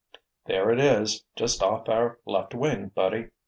"There it is, just off our left wing, buddy.